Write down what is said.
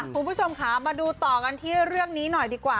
คุณผู้ชมค่ะมาดูต่อกันที่เรื่องนี้หน่อยดีกว่า